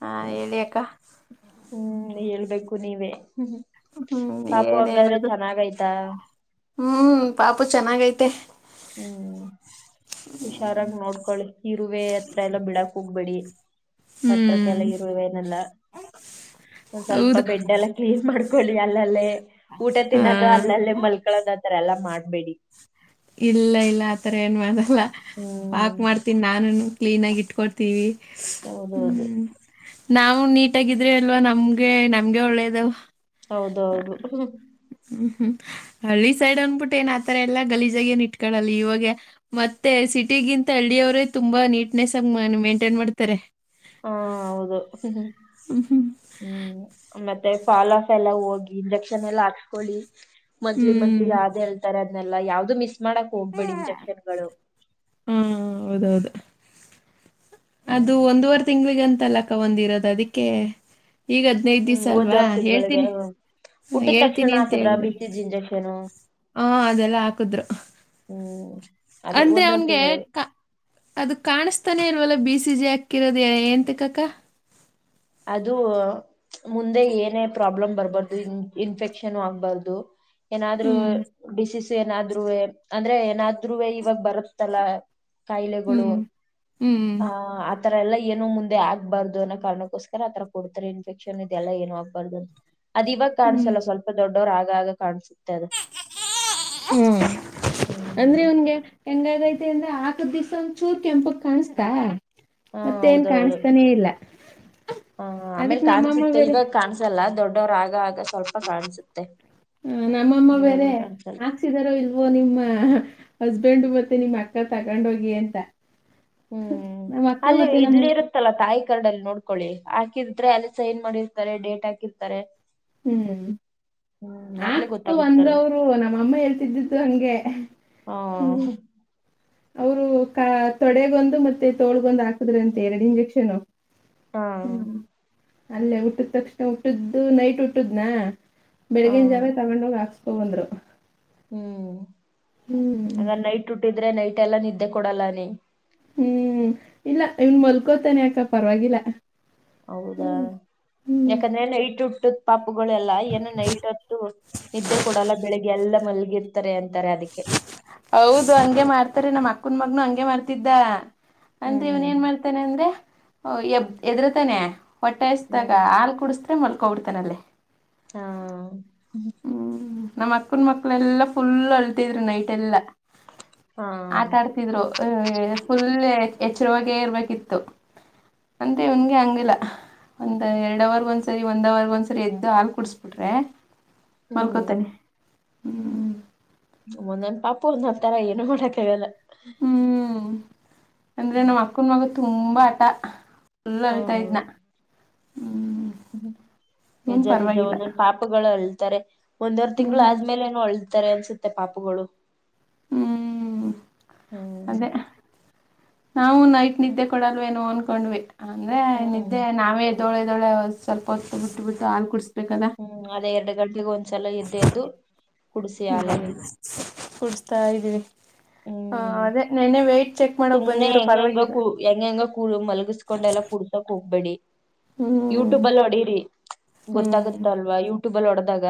ಹಾ ಹೇಳಿ ಅಕ್ಕ ಹ್ಮ್ ಹೇಳ್ಬೇಕು ನೀವೇ ಹ್ಮ್ ಪಾಪು ಏನ್ ಹಂಗಾದ್ರೆ ಹೇಳದು ಚೆನ್ನಾಗ್ಯ್ತಾ ಹ್ಮ್ ಪಾಪು ಚೆನ್ನಾಗೈತೆ ಹ್ಮ್ ಹುಷಾರಾಗಿ ನೋಡ್ಕೊಳ್ಳಿ ಇರುವೆ ಹತ್ರ ಎಲ್ಲ ಬಿಡಕ್ ಹೋಗ್ಬೇಡಿ ಪತ್ರಕ ಹ್ಮ್ ಎಲ್ಲ ಇರುವವೇನೆಲ್ಲ ಒಂದ್ ಸ್ವಲ್ಪ ಹೌದು ಬೆಡ್ಡೆಲ್ಲ ಏನ್ ಮಾಡ್ಕೊಳ್ಳಿ ಅಲ್ಲಲ್ಲೇ ಊಟ ಹ ತಿನ್ನೋದು ಅಲ್ಲಲ್ಲೇ ಮಲ್ಕಳೋದು ಆರ ಎಲ್ಲ ಮಾಡ್ಬೇಡಿ ಇಲ್ಲ ಇಲ್ಲ ಆತರ ಏನ್ ಮಾಡಲ್ಲ ಹ್ಮ್ ಪಾಕ್ ಮಾಡ್ತೀನಿ ನಾನು ಕ್ಲೀನ್ ಆಗಿ ಇಟ್ಕೊಡ್ತೀನಿ ವಿ ಹೌದೌದು ಹ್ಮ್ ನಾವು ನೀಟಾಗಿದ್ರೆ ಅಲ್ವಾ ನಮ್ಗೆ ನಮ್ಗೆ ಒಳ್ಳೇದವು ಹೌದೌದು ಹ್ಮ್ ಹ್ಮ್ ಹಳ್ಳಿ ಸೈಡ್ ಅನ್ಬಿಟ್ಟು ಏನ್ ಆತರ ಎಲ್ಲಾ ಗಲೀಜ ಏನ್ ಇಟ್ಕಳಲ್ಲ ಇವಾಗ ಮತ್ತೆ ಸಿಟಿಗಿಂತ ಹಳ್ಳಿಯ ಅವರೇ ತುಂಬಾ ನೀಟ್ನೆಸ್ ಆಗ ಮೇಂಟೈನ್ ಮಾಡ್ತಾರೆ ಹಾ ಹೌದು ಹ್ಮ್ ಹ್ಮ್ ಮತ್ತೆ ಫಾಲ್ ಆಫ್ ಎಲ್ಲ ಹೋಗಿ ಇಂಜೆಕ್ಷನ್ ಎಲ್ಲಾ ಹಾಕ್ಸ್ಕೊಳ್ಳಿ ಮಂತ್ಲಿ ಮಂತ್ ಹ್ಮ್ ಹ್ಮ್ ಯಾವ್ದ್ ಹೇಳ್ತಾರೆ ಅದ್ ಲ್ಲ ಯಾವ್ದು ಮಿಸ್ ಮಾಡಕ್ ಹೋಗ್ಬೇಡಿ ಇಂಜೆಕ್ಷನ್ ಗಳು ಹಾ ಹೌದೌದು ಅದು ಒಂದೂವರೆ ತಿಂಗಳಿಗೆಂತಲ್ಲಕ್ಕ ಒಂದಿರೋದು ಅದಕ್ಕೆ ಈಗ ನನೈ ಹ್ಮ್ ದಿವಸ ಅಲ್ವಾ ಒಂದವರ್ ತಿಂಗಳಿಗೆ ಹೇಳ್ತೀನಿ ಹ ಹುಟ್ಟಿದ ತಕ್ಷಣ ಹೇಳ್ತೀನಿ ಅಂತ ಹಾಕದ್ರ ಹೇಳಿದ ಬಿಸಿಜ್ ಇಂಜೆಕ್ಷನ್ ಹಾ ಅದೆಲ್ಲ ಹಾಕುದ್ರು ಹ್ಮ್ ಅದೇ ಅಂದೆ ಒಂದವರ್ ಅವನ್ಗೆ ತಿಂಗಳಿಗೆ ಕ ಅದು ಕಾಣಿಸ್ತಾನೆ ಇಲ್ವಲ್ಲ ಬಿ ಸಿ ಜಿ ಹಾಕ್ಕಿರೋದು ಏಂತ ಕಕ್ಕ ಅದು ಮುಂದೆ ಏನೇ ಪ್ರಾಬ್ಲಮ್ ಬರ್ಬಾರ್ದು ಇನ್ಫೆಕ್ಷನ್ ಆಗ್ಬಾರ್ದು ಏನಾದ್ ಹ್ಮ್ ಡಿಸೀಸ್ ಏನಾದರೂ ಅಂದ್ರೆ ಏನಾದ್ ಇವಾಗ ಬರುತ್ತಲ್ಲ ಹ್ಮ್ ಕಾಯಿಲೆಗಳು ಹ್ಮ್ ಆ ಆ ತರ ಎಲ್ಲ ಏನನು ಮುಂದೆ ಆಗ್ಬಾರ್ದು ಅನ್ನೋ ಕಾರಣಕ್ಕೋಸ್ಕರ ಆರ ಕೊಡ್ತಾರೆ ಇನ್ಫೆಕ್ಷನ್ ಇದೆಲ್ಲ ಏನನು ಆಗ್ಬಾರ್ದು ಅಂತ ಅದ ಇವಾಗ ಹ್ಮ್ ಕಾಣಸಲ್ಲ ಸ್ವಲ್ಪ ದೊಡ್ಡವ್ರ ಆಗ ಆಗ ಕಾಣಸುತ್ತೆ ಅದು ಹ್ಮ ಹ್ಮ್ ಅಂದ್ರೆ ಅವನ್ಗೆ [inaudible] ಹೆಂಗಾಗೈತಿ ಅಂದ್ರ ಆಾಕದ ದಿವ್ಸ ಒಂದ ಚೂರ್ ಕೆಂಪಕ್ ಕಾಣಿಸ್ತಾ ಹಾ ಮತ್ತೆ ಏನ್ ಕಾಣಿಸ್ತಾನೇ ಇಲ್ಲ ಹ್ಮ ಆಮೇಲೆ ಅದಕ್ಕೆ ನಮ್ಮಮ್ಮ ಕಾಣಸುತ್ತೆ ಬೇರೆ ಇವಾಗ ಕಾಣಸಲ್ಲ ದೊಡ್ಡವ್ರ ಆಗ ಆಗ ಸ್ವಲ್ಪ ಕಾಣಸುತ್ತೆ ಹ ನಮ್ಮಮ್ಮ ಬೇರೆ ದಾರೋ ಇಲ್ವೋ ನಿಮ್ಮ ಹಸ್ಬೆಂಡ್ ಮತ್ತೆ ನಿಮ್ಮ್ ಅಕ್ಕ ತಗೊಂಡ ಹೋಗಿ ಅಂತ ನಮ್ಮ್ ಅಕ್ಕ ಮತ್ತೆ ನಮ್ಮ ತ್ತಲ್ಲಾ ತಾಯಿ ಕರಡಲ್ಲಿ ನೋಡ್ಕೊಳ್ಳಿ ಹಾಕಿದ್ರೆ ಅಲ್ಲಿ ಸೈನ್ ಮಾಡಿರ್ತಾರೆ ಡೇಟ್ ಹಾಕಿರ್ತಾರೆ ಹ್ಮ್ ಹ್ಮ್ ಆಗ್ಲೇ ಆಕ್ತು ಗೊತ್ತಾಗುತ್ತಲ್ಲ ಅಂದ್ರವರು ನಮ್ಮಅಮ್ಮ ಹೇಳ್ತಿದ್ದು ಹಂಗೆ ಹ ಅವರು ಕ ತೊಡೆಗೊಂದು ಮತ್ತೆ ತೋಳ್ಗೊಂದು ಹಾಕದ್ರ ಅಂತೆ ಎರಡು ಇಂಜೆಕ್ಷನ್ ಹ ಹ್ಮ್ ಅಲ್ಲೇ ಹುಟ್ಟದ ತಕ್ಷಣ ಹುಟ್ಟ್ದು ನೈಟ್ ಹುಟ್ಟದ್ನ ಹ ಬೆಳಿಗನ್ ಜಾವ ತಗೊಂಡ ಹೋಗಿ ಹಾಕ್ಸ್ಕೋ ಬಂದ್ರು ಹ್ಮ್ ಹ್ಮ್ ಹಾಗಗ ನೈಟ್ ಉಟ್ಟಿದ್ರೆ ನೈಟ್ ಎಲ್ಲ ನಿದ್ದೆ ಕೊಡಲ್ಲ ನೀ ಹ್ಮ್ ಇಲ್ಲ ಇವನ್ ಮಲ್ಕೋತಾನೆ ಯಾಕ ಪರವಾಗಿಲ್ಲ ಹೌದಾ ಹ್ಮ್ ಯಾಕಂದ್ರೆಲ್ಲ ಇಟ್ಟು ಹಟ್ಟು ಪಾಪುಗಳೆಲ್ಲ ಏನ ನೈಟ್ ಹೊತ್ತು ನಿದ್ದೆ ಕೊಡಲ್ಲ ಬೆಳಿಗ್ಗೆ ಎಲ್ಲ ಮಲ್ಗಿರ್ ತಾರೆ ಅಂತಾರೆ ಅದಕ್ಕೆ ಹೌದು ಹಂಗೆ ಮಾಡ್ತಾರೆ ನಮ್ಮ್ ಅಕ್ಕನ್ ಮಗನು ಹಂಗೆ ಮಾಡ್ತಿದ್ದ ಅಂದ್ರೆ ಇವನ್ ಹ್ಮ್ ಏನ್ ಮಾಡಾ್ತಾನೆ ಅಂದ್ರೆ ಎಬ್ ಎದರುತಾನೆ ಹೊಟ್ಟಾಯಸ್ದಾಗ ಹ್ಮ್ ಹಾಲು ಕುಡಿಸ್ರೆ ಮಲ್ಕೊಬಿಡ್ತಾನ ಅಲ್ಲಿ ಹಾ ಹ್ಮ್ ನಮ್ಮ್ ಅಕ್ಕನ್ ಮಕ್ಳ ಎಲ್ಲಾ ಫುಲ್ ಅಲ್ತಿದ್್ರರು ನೈಟ್ ಎಲ್ಲಾ ಹಾ ಆಟ ಆಡ್ತಿದ್ರು ಫುಲ್ ಎಚ್ಚರವಾಗೇ ಇರ್ಬೇಕಿತ್ತು ಅಂತ ಇನ್ಗೆ ಹಂಗಂಗಿಲ್ಲ ಒಂದು ಎರಡು ಅವವರ್ಗ ಒಂದ ಸರಿ ಒಂದು ಅವವರ್ಗ ಒಂದ್ಸರಿ ಎದ್ದು ಹಾಲು ಕುಡಿಸ್ಬಿಟ್ರೆ ಹ್ಮ್ ಮಲ್ಕೊತಾನೆ ಹ್ಞ ಒೊಂದಂದ್ ಪಾಪುರ್ ನತರ ಏನು ಮಾಡಕ್ಕಾಗಲ್ಲ ಹ್ಞ ಅಂದರೆ ನಮ್ಮ ಅಕ್ಕನ ಮಗ ತುಂಬ ಹಟ ಫುಲ್ಲ ಅಳ್ತಾ ಇದ್ನ ಹ್ಮ್ ಇವನ್ ಎಜಾರ್ಜ ಪರವಾಗಿಲ್ಲ ಒಂದೊಂದು ಪಾಪಗಳು ಅಳ್ತಾರೆ ಒಂದವರ್ ತಿಂಗಳು ಹ್ಮ್ ಆದ್ಮೇಲೆ ಹೊಳತಾರೆ ಅನ್ಸುತ್ತೆ ಪಾಪಗಳು ಹ್ಮ್ [inaudible] ಹ್ಮ್ ಅದೇ ನಾವು ನೈಟ್ ನಿದ್ದೆ ಕೊಡಲ್ವೇನೋ ಅಂದ್ಕೊಂಡ್ವಿ ಅಂದ್ರೆ ಹ್ಮ್ ನಿದ್ದೆ ನಾವೇ ದೋಳೆ ದೋಳೆ ಸ್ವಲ್ಪ ಹೊತ್ತು ಬಿಟ್ಟು ಬಿಟ್ಟು ಹಾಲು ಕುಡಡ್ಸ್ಬೇಕದ ಹ್ಮ್ ಅದೇ ಎರಡು ಗಂಟೆಗೆ ಒಂದ್ಸಲ ಎ್ದ ಎದ್ದು ಕುಡಸಿ ಅಲ ಕುಡ್ಸ್ತಾ ಇದ್ದೀವಿ ಹ ಹ್ಮ್ ಅದೇ ನೆನ್ನೆ ವೇಟ್ ಚೆಕ್ ಮಾಡೋಕ್ ಬಂದಿದ್ರು ಪರವಾಗಿಲ್ಲ ಹೆಂಗ ಹೆಂಗ ಕೂ ಮಲಗಿಸ್ಕೊಂಡ ಎಲ್ಲ ಕುಡ್ತಕ್ ಹೋಗ್ಬೇಡಿ ಹ್ಮ್ ಯೂಟ್ಯೂಬ ಅಲ್ಲಿ ಹೊಡೀರಿ ಗೊತ್ತಾಗುತ್ತ ಹ್ಮ್ ಅಲ್ವಾ ಯೂಟ್ಯೂಬ ಅಲ್ಲಿ ಹೊಡೆದಾಗ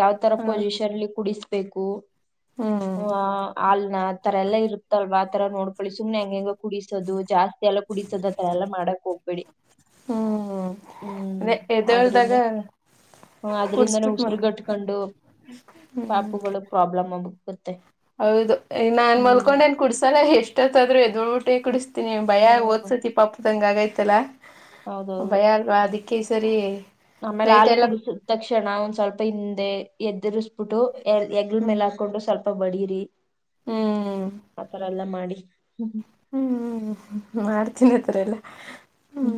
ಯಾವ ತರ ಹ ಪೊಸಿಷನ್ಲ್ಲಿ ಕುಡಿಸ್ಬೇಕು ಹ್ಮ್ ಹ ಅಲ್ ನ ಆ ತರ ಎಲ್ಲಾ ಇರುತ್ತಲ್ವಾ ಆತರ ನೋಡ್ ಳಿ ಸುಮ್ನೆ ಹೆಂಗ ಹೆಂಗ ಕುಡಿಸೋದು ಜಾಸ್ತಿ ಎಲ್ಲ ಕುಡಿಸೋದತ್ರ ಎಲ್ಲಾ ಮಾಡಕ್ ಹೋಗ್ಬೇಡಿ ಹ್ಮ್್ಮ ಅ ದ ಒಳ್ಳದಾಗ ಹ ಅದ್ರಿಂದಾನೇ ಉಸಿರುಗಟ್ಕೊಂಡು ಪಾಪುಗಳು ಪ್ರಾಬ್ಲಮ್ ಆಬ ಹೌದು ನಾನ್ ಮಲ್ಕೊಂಡೇನ್ ಕುಡಸಲ್ಲ ಎಷ್ಟತ್ದ್ರೂ ಎದಳ್ಬಿಟ್ಟೆ ಕುಡ ನೀ ಭಯ ಹ್ಮ್ ಓದ್ಸತಿ ಪಾಪದಂಗ ಆಗೈತಲ್ಲ ಹೌದೌದು. ಭಯ ಅದಿ ಕಸರಿ ಆಮೇಲೆ ಹಾ ಕುಡಸಿದ ತಕ್ಷಣ ಒಂದ್ ಸ್ವಲ್ಪ ಹಿಂದೆ ಎದುರಿಸರಿಸಬಿಟ್ಟು ಎಗ್ಲ್ ಹ್ಮ್ ಮೇಲೆಾ ಕೊಂಡು ಸ್ವಲ್ಪ ಬಡೀರಿ ಹ್ಮ್ ಆತರ ಎಲ್ಲಾ ಮಾಡಿ ಹ್ಮ್ ಮಾಡ್ತೀನಿ ಹತ್ರ ಎಲ್ಲಾ ಹ್ಮ್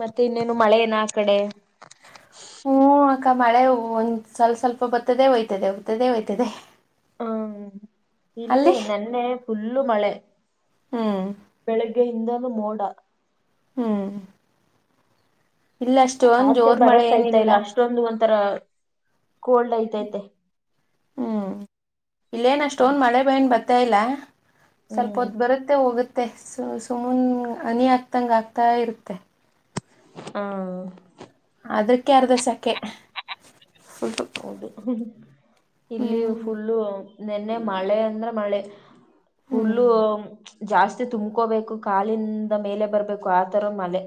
ಮತ್ತೆ ಇನ್ನೇನು ಮಳೆ ಏನ ಆ ಕಡೆ ಹ್ಮ್ ಅಕ್ಕ ಮಳೆ ಒಂದ್ ಸ್ವಲ್ಪ ಸ್ವಲ್ಪ ಬತ್ತದೆೇ ಹಯ್ತದೆ ಹೋಗ್ತದೇ ಹೋಗಯ್ತದೆ ಹ್ಮ ಇಲ್ಲಿ ನನ್ನೆ ಫುಲ್ಲು ಮಳೆ ಹ್ಮ್ ಬೆಳಗ್ಗೆಯಿಂದಾನೂ ಮೋಡ ಹ್ಮ್ ಇಲ್ಲ ಅಷ್ಟು ಒಂದ ಜೋರ್ ಮಳೆ ಏನಿಲ್ಲ ೊಂದು ಒಂಥರ ಕೋಲ್ಡ್ ಐತೆ ಐತೆ ಹ್ಮ್ ಇಲ್ಲೇನ ಅಷ್ಟ್ಟೋನ್ ಮಳೆ ಬನ್ ಬರ್ತ ಇಲ್ಲ ಸ್ವಲ್ಪ ಹ್ಮ್ ಹೊತ್ತು ಬರುತ್ತೆ ಹೋಗುತ್ತೆ ಸ ಸುಮುನೆ ಹನಿ ಹಾಕ್ತಂಗೆ ಆಾಗ್ತಾ ಇರುತ್ತೆ ಹಾ ಅದಕ್ಕೆ ಅರ್ಧಸಕೆ ಫುಟು ಹೌದು ಇಲ್ಲಿ ಫುಲ್ಲು ನಿನ್ನೆ ಮಳೆ ಅಂದ್ರೆ ಮಳೆ ಫುಲ್ಲು ಹ್ಮ್ ಜಾಸ್ತಿ ತುಂಬಕೋಬೇಕು ಕಾಲಿಂದ ಮೇಲೆ ಬರ್ಬೇಕು ಆತರ ಮಳೆ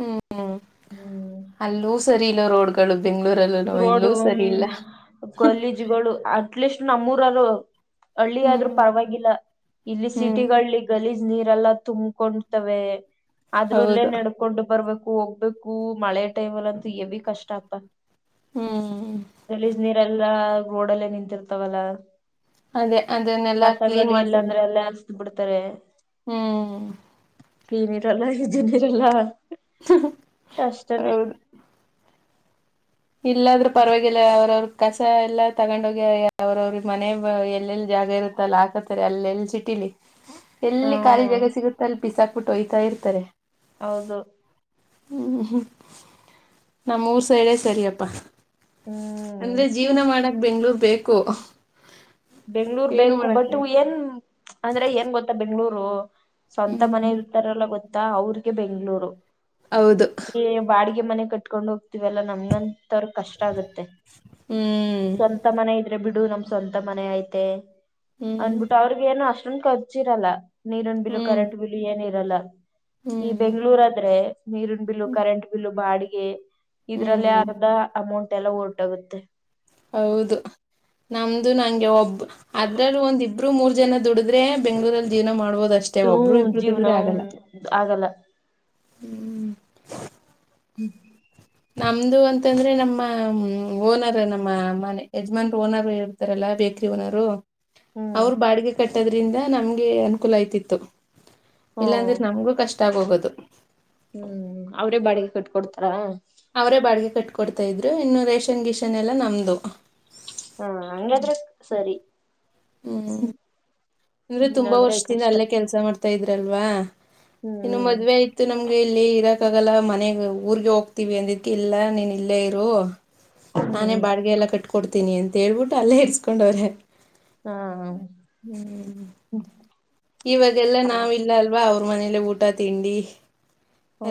ಹ್ಮ್ ಹ್ಮ ಹ್ಮ್ ಅಲ್ಲೂ ಸರಿ ಇಲ್ಲ ರೋಡ್ಗಳು ಬೆಂಗ್ಗಳೂರಲ್ಲೂೋ ಇಲ್ಲೂ ಸರಿ ಇಲ್ಲ ಕಲೀಜುಗಳು ಅಟ್ಲೀಸ್ಟ್ ನಮ್ಮೂರರು ಹಳ್ಳಿ ಆದ್ರೂ ಹ್ಮ್ ಪರವಾಗಿಲ್ಲ ಇಲ್ಲಿ ಸಿಟಿ ಹ್ಮ್ ಗಲೀಜ್ ನೀರೆಲ್ಲ ತುಂಬ್ಕೊಂಡತವೆ ಅದ್ರಲ್ಲೇ ಹೌದು ನಡ ಕಕೊಂಡು ಬರ್ಬೇಕು ಹೋಗ್ಬೇಕು ಮಳೆ ಟೈಮ್ಲ್ ಅಂತೂ ಎವಿ ಕಷ್ಟ ಅಪ್ಪ ಹ್ಮ್ ಕಲೀಜ್ ನೀರೆಲ್ಲಾ ರೋಡಲ್ಲೇ ನಿಂತಿರ್ತವಲ್ಲ ಅದೇ ಅದನ್ನೆಲ್ಲ ಕ್ಲೀನ್ ಕಸಗಳಿ ಮಾಡ್ಸಲ್ಲ ಎಲ್ಲಾಂದ್ರೆ ಎಲ್ಲ ಅಲ್ಸ್ದ ಬಿಡ್ತಾರೆ ಹ್ಮ್ ೀ ನೀಿರಲ್ಲ ಇಜ ನೀಿರಲ್ಲ ಕಷ್ಟಾನೇ ಹೌದು ಇಲ್ಲಾದ್ರೂ ಪರವಾಗಿಲ್ಲ ಅವ್ರವ್ರ ಕಸ ಎಲ್ಲ ತಗೊಂಡೋಗಿ ಅವ್ರವ್ರಿಗೆ ಮನೆ ಎಲ್ಲೆಲ್ಲಿ ಜಾಗ ಇರುತ್ತೆ ಲ್ಲ ಹಾಕತ್ತರಿ ಅಲ್ಲ ಎಲ್ಲಿ ಸಿಟ್ಟಿಲಿ [inaudible] ಎಲ್ಲಿ ಖಾಲಿ ಹ್ಮ್ ಜಾಗ ಸಿಗುತ್ತ ಅಲ್ಲಿ ಪಿಸಾಕ್ಬಿಟ್ಟು ಒಯ್ತಾ ಇರ್ತಾರೆ ಹೌದು ಹ್ಮ್ ಹ್ಮ ನಮ್ಮೂರ್ ಸೈಳೇ ಸರಿಯಪ್ಪಾ ಅಂದ್ರೆ ಹ್ಮ್ ಜೀವನ ಮಾಡಕ್ ಬೆಂಗ್ಳೂರ್ ಬೇಕು ಬೆಂಗ್ಳೂರ್ ಏನು ಬೇಕು ಬಟ್ ಮಾಡಕ್ಕಿಲ್ಲ ಏನ್ ಅಂದ್ರೆ ಏನ್ ಗೊತ್ತ ಬೆಂಗ್ಳೂರು ಸ್ವಂತ ಮನೆ ಹ್ಮ್ ಲ್ಲ ಗೊತ್ತಾ ಅವ್ರಿಗೆ ಬೆಂಗಗಳೂರು ಹೌದು ಬಾಡಿಗೆ ಮನೆ ಕಟ್ಕೊಂಡ್ ಹೋಗ್ತಿೀವಲ್ಲಾ ನಮ್ಗಂತವ್ರ ಕಷ್ಟ ಆಗತ್ತೆ ಹ್ಮ್ ಸ್ಂತ ಮನೆ ಇದ್ರೆ ಬಿಡು ನಮ್ ಸ್ವಂತ ಮನೆ ಐತೆ ಹ್ಮ್ ಅಂದ್ಬಿಟ್ಟು ಅವ್ರಗ್ ಏನು ಅಷ್ಟೊಂದು ಖರ್ಚಿರಲ್ಲ ನೀರಿನ ಬಿಲ್ ಹ್ಮ್ ಕರೆಂಟ್ ಬಿಲ್ ಏನ ಇರಲ್ಲ ಈ ಹ್ಮ್ ಬೆಂಗ್ಳೂರ್ ಆದ್ರೆ ನೀರಿನ ಬಿಿಲ್ಲು ಕರೆಂಟ್ ಬಿಿಲ್ಲು ಬಾಡಿಗೆ ಇದ್ರಲ್ಲಿ ಹ್ಮ್ ಅರ್ಧ ಅಮೌಂಟ್ ಎಲ್ಲ ರ್ಟಾಗುತ್ತೆ ಹೌದು ನಮ್ದು ನಂಗೆ ಒಬ್ ಅದ್ರಲ್ಲೂ ಒಂದ ಇಬ್ಬರು ಮೂರ್ ಜನ ದುಡಿದ್ರೆ ಬೆಂಗ್ಳೂರಲ್ಲಿ ಜೀವನ ಮಾಡ್ಬೋದ ಅಷ್ಟೇ ಒಬ್ಬರು ಹ್ಮ್ ಇಬ್ರು ಜೀವನ ದುಡಿದ್ರೆ ಆಗಲ್ಲ ಹ್ಮ್ ಆಗಲ್ಲ ಹ್ಮ್ ಹ್ಞೂ ನಮ್ದು ಅಂತಂದ್ರೆ ನಮ್ಮ ಓನರ್ ನಮ್ಮ ಮನೆ ಯಜ್ಮಾನ್ ಓನರ್ ಆರ ಎಲ್ಲಾ ಬೇಕ್ರಿ ಓನರು ಅವರು ಬಾಡಿಗೆ ಕಟ್ಟದ್ರಿಂದ ನಮ್ಗೆ ಅನುಕೂಲ ಯ್ತಿತ್ತು ಇಲ್ಲಾಂದ್ರೆ ಹ್ಮ್ ನಮ್ಗೂ ಕಷ್ಟ ಆಗ್ ಹೋಗೋದು ಹ್ಮ್ ಅವ್ರೇ ಬಾಡಿಗೆ ಕಟ್ ಕೊೊಡ್ತಾರ ಅವರೇ ಬಾಡಿಗೆ ಕಟ್ ಕೊಡ್ತಾ ಇದ್ರು ಇನ್ನು ರೇಷನ್ ಗಿಷನ್ ಎಲ್ಲ ನಮ್ದು ಹಾ ಹಂಗಾದ್ರೆ ಸರಿ ಹ್ಮ್ ಅಂದ್ರೆ ತುಂಬಾ ಇಲ್ಲಾಂದ್ರೆ ವರ್ಷದಿಂದ ಕಷ್ಟ ಅಲ್ಲೇ ಕೆಲ್ಸ ಮಾಡ್ತಾ ಇದ್ರಲ್ವಾ ಹ್ಮ್ ಇ ಮದ್ವೆ ಆಯ್ತು ನಮ್ಗೆ ಇಲ್ಲಿ ಇರಕ್ ಆಗಲ್ಲ ಮನೆಗ್ ಊರ್ಗೆ ಹೋಗ್ತಿೀವಿ ಅಂದತಿ ಇಲ್ಲ ನೀನ್ ಇಲ್ಲೇ ಇರು ನಾನೇ ಹ್ಮ್ ಬಾಡಿಗೆ ಎಲ್ಲ ಕಟ್ಕೊಡ್ತೀನಿ ಅಂತ ಹೇಳ್ಬಿಟ್ಟು ಅಲ್ಲೇ ಇರ್ಸ್ಕೊಂಡವ್ರೆ ಹಾ ಇವಾಗೆಲ್ಲಾ ನಾವ ಪರವಾಗಿಲ್ಲ ಇಲ್ಲ ಅಲ್ವಾ ಅವ್ರ ಮನೇಲೆ ಊಟ ತಿಂಡಿ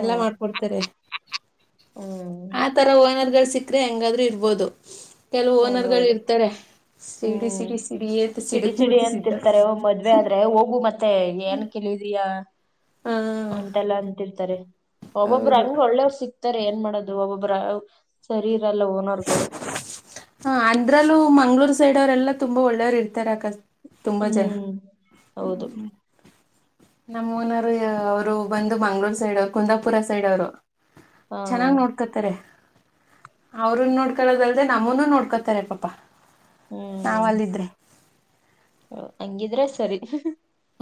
ಎಲ್ಲಾ ಮಾಡ್ಕೊಡ್ತಾರೆ ಹ್ಮ್ ಆತರ ಓನರ್ಗಳು ಸಿಕ್ ್ರೆ ಹೆಂಗಾದ್ರೂ ಇರ್ಬೋದು ಕೆಲವು ಓನರ್ಗಳು ಹೌದೌದು ಇರ್ತಾರೆ ಸಿಡಿ ಹ್ಮ್ ಸಿಡಿ ಸಿಡಿ ಏಂತ ಸಿಡಕ್ ಮೂತಿ ಸಿತ ಇೇ ಆದ್ರೆ ಹೋಗು ಮತ್ತೆ ಏನ್ ಕೇಳಿದಯಾ ಹಾ ಉಂಟಲ್ಲ ಅಂತಿರ್ತಾರೆ ಒಬ್ಬೊಬ್ರು ಹೌದು. ಹಂಗ ಹೊ ಒಳ್ಳೆಯವ್ರು ಸಿಕ್ತಾರೆ ಏನ್ ಮಾಡೋದು ಒಬೊಬ್ಬ್ರ ಸರಿ ಇರಲ್ಲ ಓನರ್ಗಳು ಹಾ ಅಂದ್ರಲ್ಲೂ ಮಂಗ್ಗಳೂರ್ ಸೈಡ್ ಅವರೆೆಲ್ಲಾ ತುಂಬಾ ಒಳ್ಳೆಯವ್ರು ಇರ್ತಾರೆ ಅಕಸ್ ತುಂಬಾ ಜನ ಹ್ಮ್ ಹೌದು ನಮ್ಮ್ ಓನರ್ ಅವರು ಬಂದು ಮಂಗ್ಳೂರ್ ಸೈಡ್ ಕುಂದಾಪುರ ಸೈಡ್ ಅವರು ಹಾ ಚೆನ್ನಾಗ್ ನೋಡ್ಕತಾರೆ ಅವ್ರನ್ ನೋಡ್ಕೊಳ್ಳೋದಲ್ದೆೇ ನಮ್ಮನು ನೋಡ್ಕೊತಾರೆ ಪಾಪಾ ನಾವ ಅಲ್ಲಿದ್ರೆ ಹ ಹಂಗಿದ್ರೆ ಸರಿ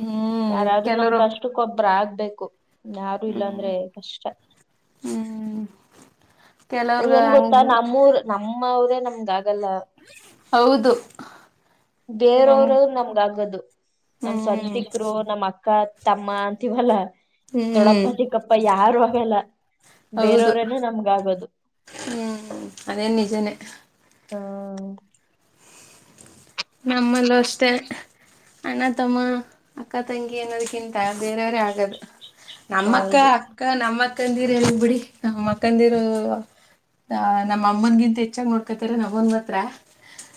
ಹ್ಮ್ ಯಾರಾದ್ರರು ಕೆಲವರು ನಮ್ಕಷ್ಟ ಅಕ್ಕೊಬ್ಬ್ರ ಆಗ್ಬೇಕು ಯಾರು ಇಲ್ಲಾಂದ್ರೆ ಕಷ್ಟ ಹ್ಮ ಏನ್ ಗೊತ್ತಾ ನಮ್ಮೂರ್ ನಮ್ಮವರೇ ನಮ್ದ ಆಗಲ್ಲ ಹೌದು ನಮ್ ಬೇರವರು ನಮ್ಗ ಆಗದು ನಮ್ ಹ್ಮ್ ಸಂತಿಕರು ನಮ್ ಅಕ್ಕ ತಮ್ಮ ಅಂತವಲ್ಲ ದೊಡ್ಡಪ್ಪ ಹ್ಮ್ ಚಿಕ್ಕಪ್ಪ ಯಾರು ಆಗಲ್ಲ ಹೌದು ಬೇರೆಯವ್ರನೆೇ ನಮ್ಗ ಆಗೋದು ಹ್ಮ್ ಅದೇ ನಿಜನೇ ಹ್ಮ್ ನಮ್ಮಲ್ಲ ಅಷ್ಟೇ ಅಣ್ಣ ತಮ್ಮ ಅಕ್ಕ ತಂಗಿ ಅನ್ನೋದ್ಕ್ಕಿಂತ ಬೇರೆಯವ್ರೇ ಆಗದು ನಮ್ಮಕ್ಕ ಹೌದು ಅಕ್ಕ ನಮ್ಮ ಅಕ್ಕಂದಿರು ಹೇ ಬಿಿಡಿ ನಮ್ಮ ಅಕ್ಕಂದಿರು ನಮ್ಮ ಅಮ್ಮನನ್ಗಿಂತ ಹೆಚ್ಚಾಗ ನೋಡ್ಕೊತರ ನಮ್ಮನ್ ಮಾತ್ರ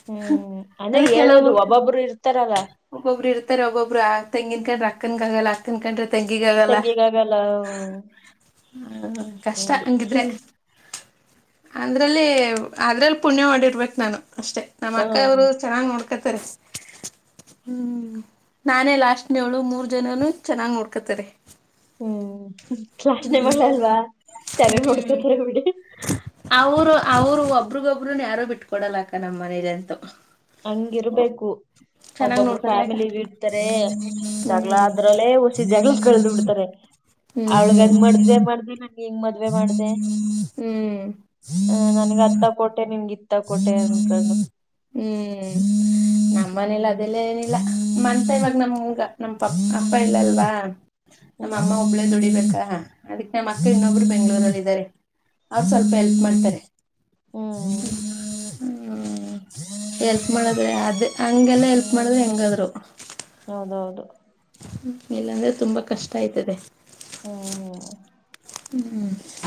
ಹ್ಮ್ ಅಂದ್ರೆ ಹೇಳೋದು ಒಬ್ಬೊಬ್ರು ಇರ್ತಾರಲ್ಲ ಒಬ್ಬೊಬ್ಬರು ಇರ್ತಾರೆ ಒಬ್ಬಬ್ಬರು ತಂಗಿನ ಕಂಡ್ರೆ ಅಕ್ಕನಿಗೆ ಆಗಲ್ಲ ಅಕ್ಕನ್ ಕಂಡ್ರೆ ತಂಗಿಗ ಆಗಲ್ಲ ತೆಗಿಯಕಾಗಲ್ಲ ಹ್ಮ್, ಉಉ ಕಷ್ಟ ಹೌದು ಹಂಗಿದ್ರೆ ಅಂದ್ರಲ್ಲಿ ಅದ್ರಲ್ಲಿ ಪುಣ್ಯ ಮಾಡಿರ್ಬೇಕು ನಾನು ಅಷ್ಟೇ ನಮ್ಮ ಹಾ ಅಕ್ಕವರು ಚೆನ್ನಾಗ್ ನೋಡ್ಕತ್ತರೆ ಹ್ಮ್ ನಾನೇ ಲಾಸ್ಟ್ನೋಳು ಮೂರ್ ಜನನು ಚೆನ್ನಾಗ್ ನೋಡ್ಕತಾರೆ ಹ್ಮ್ ಲಾಸ್ಟ್ನೆ ಮಗಳಲ್ವಾ ಚೆನ್ನಾಗಿ ನೋಡ್ಕೊತಾರೆ ಬಿಡಿ ಅವರು ಅವರು ಒಬ್ರಗೊಬ್ರುನು ಯಾರು ಬಿಟ್ಕೊಡಲ್ಲ ಅಕ್ಕ ನಮ್ಮ್ ಮನೇಲಂತೂ ಹಂಗಿರ್ಬೇಕು ಚೆನ್ನಾಗ್ ಒಬ್ಬೊಬರು ನೋಡ್ಕದ್ರ ಅಕ್ಕ ಫ್ಯಾಮಿಲಿ ಇಡ್ತಾರೆ ಜಗಳ ಹ್ಮ್ ಅದ್ರಲ್ಲೇ ಹುಸಿ ಜಗಳ ಕಳ್ದ ಬಿಡ್ತಾರೆ ಅವಳ್ಗ ಹ್ಮ್ [unintelligible] ಹಿಂಗ್ ಮದ್ವೆ ಮಾಡ್ದೆ ಹ್ಮ್ ಆ ನನ್ಗ ಅದ್ ತಕೊಟ್ಟೆ ನಿಮ್ಗಿತ್ತು ತ ಕೊಟ್ಟೆ ಅಂದ್ಕೊಂಡು ಹ್ಮ್ ನಮ್ಮ ಮನೇಲಿ ಹ್ಮ್ ಅದೆಲ್ಲ ಏನಿಲ್ಲ ಮಂತ ಇವಾಗ ನಮಗ ನಮ್ ಪಪ್ಪ ಅಪ್ಪ ಇಲ್ಲ ಅಲ್ವಾ ನಮ್ಮ ಅಮ್ಮ ಹ್ಮ್ ಒಬ್ಳೇ ದುಡಿಬೇಕ [inaudible] ಅದಕ್ ನಮ್ಮ ಅಕ್ಕ ಇನ್ನೊಬ್ರು ಬೆಂಗ್ಗಳೂರ್ನಲ್ಲಿ ಇದಾರೆ ಅವ್ರು ಸ್ವಲ್ಪ ಎಲ್ಪ್ ಮಾಡ್ತಾರೆ [inaudible] ಹ್ಮ್ ಹ್ಮ್ ಎಲ್ಪ್ ಮಾಡದ್ರೆ ಅದ ಹಂಗೆಲ್ಲ ಎಲ್ಪ್ ಮಾಡದೆ ಹೆಂಗಾದ್ರು [inaudible] ಹೌದೌದು ಇಲ್ಲಾಂದ್ರೆ ತುಂಬಾ ಕಷ್ಟ ಆಯ್ತದೆ ಹ್ಮ ಹ್ಮ ಹ್ಮ್